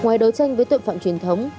ngoài đấu tranh với tội phạm truyền thống